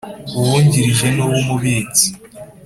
Umwungirije n uw umubitsi